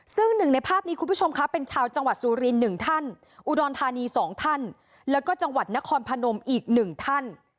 ซึ่งหนึ่งในภาพนี้คุณผู้ชมคะเป็นชาวจังหวัดสุริน๑ท่านอุดรธานี๒ท่านแล้วก็จังหวัดนครพนมอีก๑ท่าน